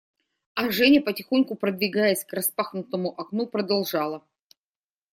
А Женя, потихоньку подвигаясь к распахнутому окну, продолжала.